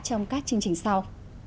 trong các chương trình sau